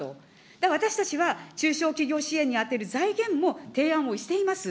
だから私たちは、中小企業支援に充てる財源も提案をしています。